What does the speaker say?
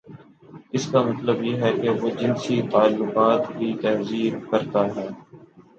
اس کا مطلب یہ ہے کہ وہ جنسی تعلقات کی تہذیب کرتا ہے۔